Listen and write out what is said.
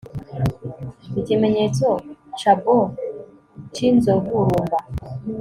ikimenyetso cabo c'inzovu rumba